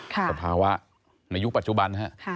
สภาวะในยุคปัจจุบันฮะ